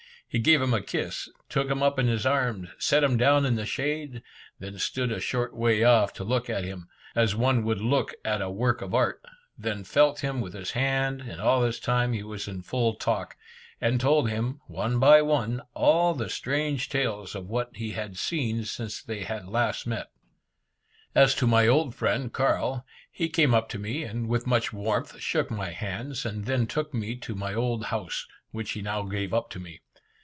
He gave him a kiss, took him up in his arms, set him down in the shade, then stood a short way off to look at him, as one would look at a work of art, then felt him with his hand, and all this time he was in full talk, and told him, one by one, all the strange tales of what he had seen since they had last met. As to my friend Carl, he came up to me, and with much warmth shook my hands, and then took me to my old house, which he now gave up to me.